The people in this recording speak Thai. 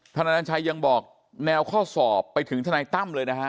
นอนัญชัยยังบอกแนวข้อสอบไปถึงทนายตั้มเลยนะฮะ